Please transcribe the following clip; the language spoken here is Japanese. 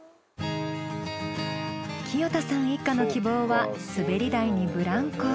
清田さん一家の希望はすべり台にブランコ。